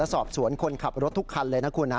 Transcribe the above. สอบสวนคนขับรถทุกคันเลยนะคุณ